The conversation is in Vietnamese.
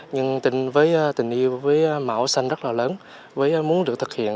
nhưng với tình yêu với màu xanh rất là lớn với muốn được thực hiện